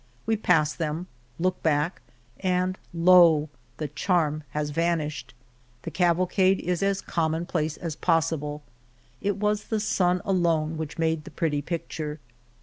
We pass them, look back, and lo ! the charm has vanished. The cavalcade is as commonplace as possible. It was the sun alone which made the pretty picture.